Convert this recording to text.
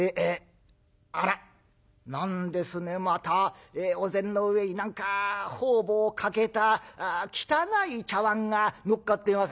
あら何ですねまたお膳の上に何か方々欠けた汚い茶碗がのっかってます」。